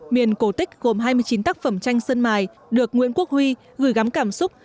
miền cổ tích gồm hai mươi chín tác phẩm tranh sơn mài được nguyễn quốc huy gửi gắm cảm xúc